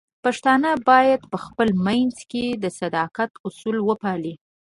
پښتانه بايد په خپل منځ کې د صداقت اصول وپالي.